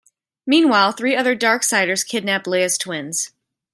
Meanwhile, three other Darksiders kidnap Leia's twins.